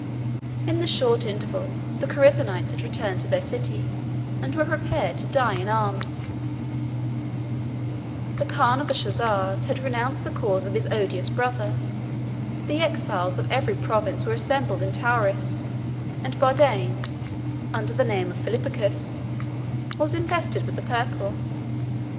In the short interval, the Chersonites had returned to their city, and were prepared to die in arms; the khan of the Chozars had renounced the cause of his odious brother; the exiles of every province were assembled in Tauris; and Bardanes, under the name of Philippicus, was invested with the purple.